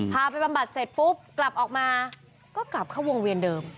ไปบำบัดเสร็จปุ๊บกลับออกมาก็กลับเข้าวงเวียนเดิม